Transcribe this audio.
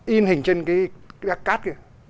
in hình trên cái cát kia